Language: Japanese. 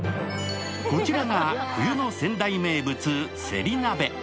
こちらが冬の仙台名物、せり鍋。